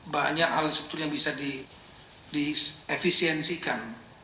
banyak hal struktur yang bisa diefisiensikan